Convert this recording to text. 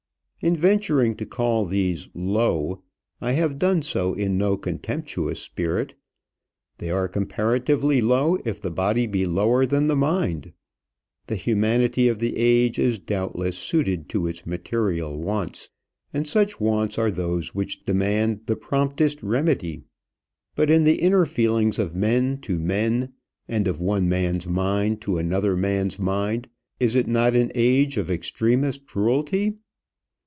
In venturing to call these low, I have done so in no contemptuous spirit; they are comparatively low if the body be lower than the mind. The humanity of the age is doubtless suited to its material wants, and such wants are those which demand the promptest remedy. But in the inner feelings of men to men, and of one man's mind to another man's mind, is it not an age of extremest cruelty?